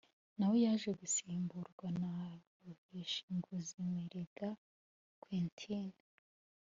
nawe yaje gusimburwa na Rushenguziminega Quentin